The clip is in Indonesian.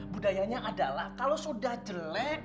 budayanya adalah kalau sudah jelek